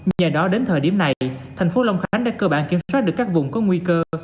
nhờ đó đến thời điểm này thành phố long khánh đã cơ bản kiểm soát được các vùng có nguy cơ